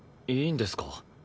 いいんですか？